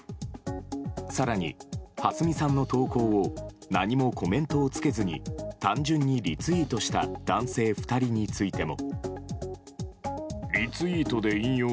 更に、はすみさんの投稿を何もコメントをつけずに単純にリツイートした男性２人についても。